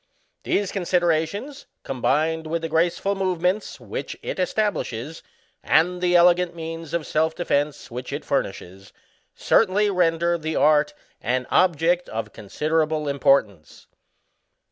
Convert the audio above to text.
These considerations, combined with the graceful movements which it establishes, and the elegant means of self defence which it furnishes, certainly render the art an object of considerable im portance."